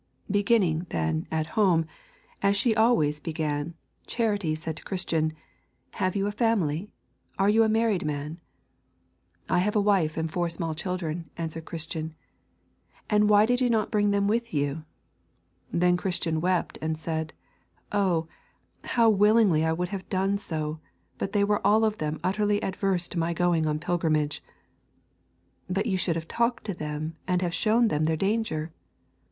Beginning, then, at home, as she always began, Charity said to Christian, 'Have you a family? Are you a married man?' 'I have a wife and four small children,' answered Christian. 'And why did you not bring them with you?' Then Christian wept and said, 'Oh, how willingly would I have done so, but they were all of them utterly averse to my going on pilgrimage.' 'But you should have talked to them and have shown them their danger.'